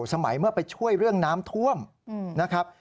สมัยเมื่อไปช่วยเรื่องน้ำท่วมนะครับ